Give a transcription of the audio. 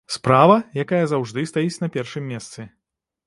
Справа, якая заўжды стаіць на першым месцы.